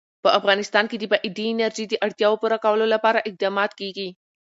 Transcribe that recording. په افغانستان کې د بادي انرژي د اړتیاوو پوره کولو لپاره اقدامات کېږي.